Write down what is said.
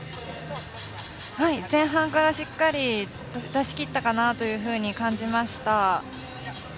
前半からしっかり出しきったかなというふうに感じました。